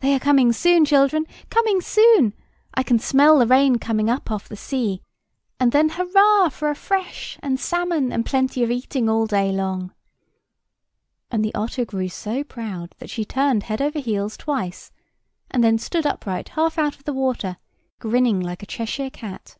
They are coming soon, children, coming soon; I can smell the rain coming up off the sea, and then hurrah for a fresh, and salmon, and plenty of eating all day long." [Picture: Tom and the otter] And the otter grew so proud that she turned head over heels twice, and then stood upright half out of the water, grinning like a Cheshire cat.